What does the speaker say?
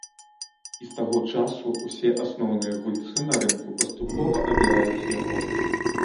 І з таго часу ўсе асноўныя гульцы на рынку паступова абіраюць яго.